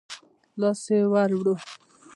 لاس يې ورووړ.